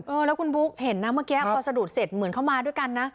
เออแล้วคุณบุ๊คเห็นนะเมื่อกี้พอสะดุดเสร็จเหมือนเขามาด้วยกันนะ